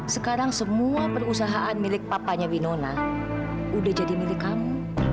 sekarang semua perusahaan milik papanya winona udah jadi milik kamu